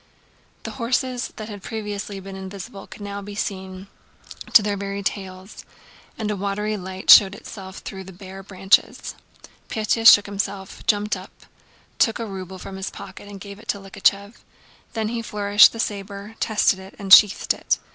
The horses that had previously been invisible could now be seen to their very tails, and a watery light showed itself through the bare branches. Pétya shook himself, jumped up, took a ruble from his pocket and gave it to Likhachëv; then he flourished the saber, tested it, and sheathed it.